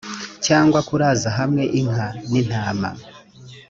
cyangwa kuraza hamwe inka n intama